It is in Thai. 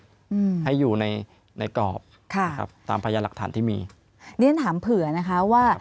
อืมให้อยู่ในในกรอบค่ะครับตามพยานหลักฐานที่มีเรียนถามเผื่อนะคะว่า